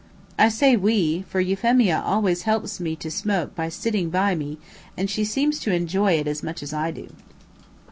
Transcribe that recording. I say WE, for Euphemia always helps me to smoke by sitting by me, and she seems to enjoy it as much as I do.